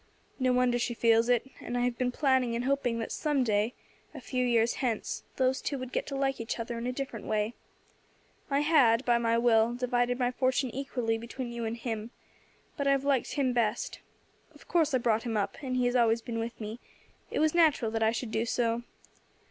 No wonder she feels it; and I have been planning and hoping that some day, a few years hence, those two would get to like each other in a different way. I had, by my will, divided my fortune equally between you and him, but I have liked him best. Of course, I brought him up, and he has been always with me; it was natural that I should do so.